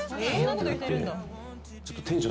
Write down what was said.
ってなって。